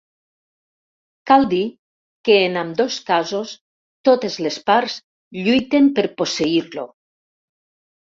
Cal dir que en ambdós casos totes les parts lluiten per posseir-lo.